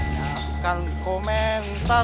nggak akan komentar